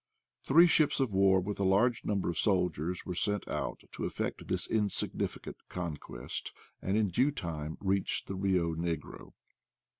Three ships of war, with a large number of soldiers, were sent out to effect this insignificant conquest, and in due time reached the Eio Negro.